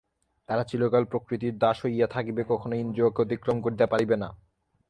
তাহারা চিরকাল প্রকৃতির দাস হইয়া থাকিবে, কখনই ইন্দ্রিয়কে অতিক্রম করিতে পারিবে না।